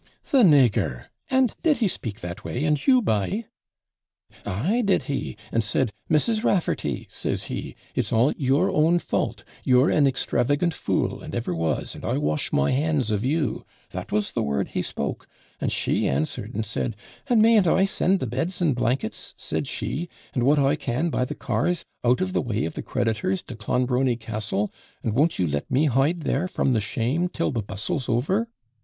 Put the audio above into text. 'The NEGER! [NEGER, quasi negro; meo periculo, NIGGARD] And did he speak that way, and you by?' 'Ay did he; and said, "Mrs. Raffarty," says he, "it's all your own fault; you're an extravagant fool, and ever was, and I wash my hands of you;" that was the word he spoke; and she answered, and said, "And mayn't I send the beds and blankets," said she, "and what I can, by the cars, out of the way of the creditors, to Clonbrony Castle; and won't you let me hide there from the shame, till the bustle's over?"